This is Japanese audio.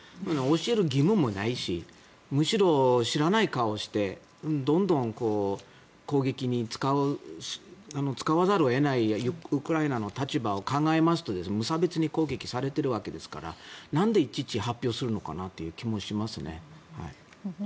教える義務もないしむしろ知らない顔をしてどんどん攻撃に使わざるを得ないウクライナの立場を考えますと無差別に攻撃されているわけですからなんでいちいち発表するのかなという気もしますね。